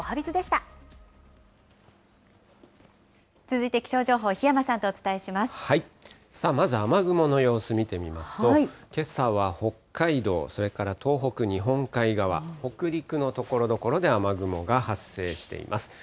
続いて気象情報、檜山さんとまず雨雲の様子見てみますと、けさは北海道、それから東北日本海側、北陸のところどころで雨雲が発生しています。